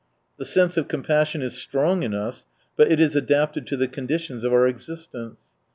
The sense of compassion is strong in us, but it is adapted to the conditions of our existence.